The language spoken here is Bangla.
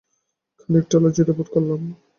আমি খানিকটা লজ্জিত বোধ করলাম।